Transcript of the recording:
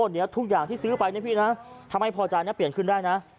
เดี๋ยวทุกอย่างที่ซื้อไปนะพี่นะทำให้พอใจนะเปลี่ยนขึ้นได้นะ